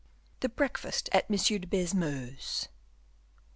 The Breakfast at Monsieur de Baisemeaux's.